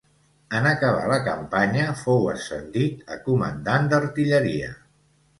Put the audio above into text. En acabar la campanya fou ascendit a comandant d'artilleria.